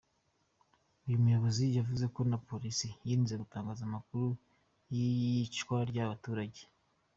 Uyu muyobozi yavuze ko na Polisi yirinze gutangaza amakuru y’iyicwa ry’aba baturage.